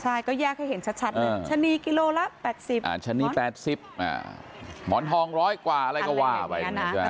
ใช่ก็เรียกให้เห็นชัดชนีกิโลละ๘๐หมอนทองหมอนทองร้อยกว่าอะไรก็ว่าไป